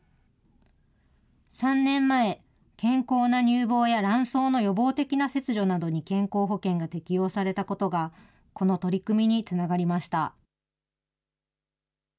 ３年前、健康な乳房や卵巣の予防的な切除などに健康保険が適用されたことが、この取り組みにつながりました。